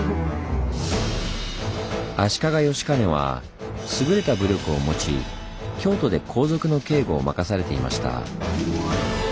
足利義兼は優れた武力を持ち京都で皇族の警護を任されていました。